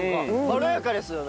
まろやかですよね。